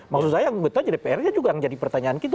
maksud saya yang menggoda dpr juga yang jadi pertanyaan kita